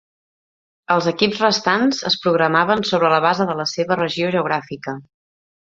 Els equips restants es programaven sobre la base de la seva regió geogràfica.